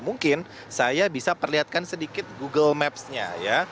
mungkin saya bisa perlihatkan sedikit google maps nya ya